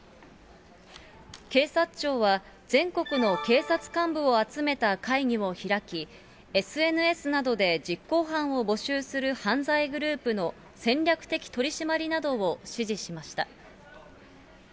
警察庁は、全国の警察幹部を集めた会議を開き、ＳＮＳなどで実行犯を募集する犯罪グループの戦略的取締りなどを指示しました。